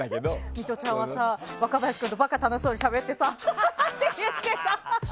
ミトちゃんはさ若林君とばっか楽しそうにしゃべってさって言ってた。